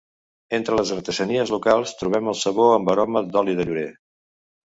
Entre les artesanies locals trobem el sabó amb aroma d'oli de llorer.